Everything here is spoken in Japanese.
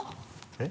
えっ？